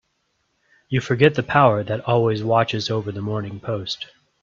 You forget the power that always watches over the Morning Post.